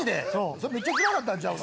それめっちゃつらかったんちゃうの？